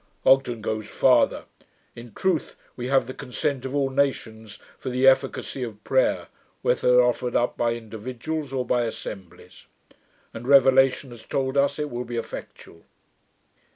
Ogden goes farther. In truth, we have the consent of all nations for the efficacy of prayer, whether offered up by individuals, or by assemblies; and Revelation has told us, it will be effectual.'